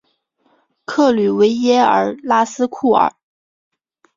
克吕维耶尔拉斯库尔。